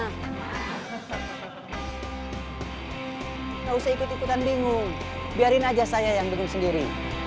tidak usah ikut ikutan bingung biarin aja saya yang bingung sendiri